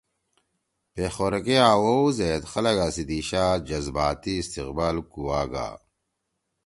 پیخور کے آوؤ زید خلَگا سی دیِشا جذباتی استقبال کُوآ گا